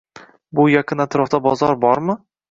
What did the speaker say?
Bu yaqin atrofda bozor bormi?